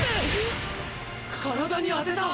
「体に当てた」